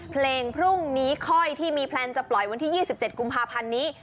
เพลงพรุ่งนี้ค่อยที่มีแพลนจะปล่อยวันที่๒๗กุมภาพันธ์นี้